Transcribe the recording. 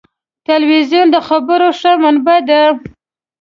تلویزیون د خبرونو ښه منبع ده.